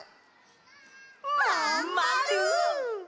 まんまる！